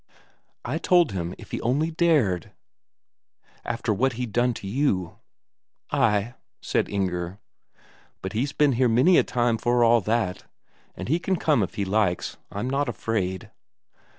"I told him if he only dared, after what he'd done to you." "Ay," said Inger. "But he's been here many a time since for all that. And he can come if he likes, I'm not afraid."